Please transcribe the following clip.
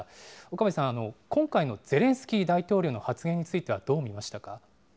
岡部さん、今回のゼレンスキー大統領の発言についてはどう見ましたか。